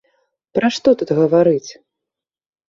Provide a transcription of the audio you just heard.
Пра што тут гаварыць!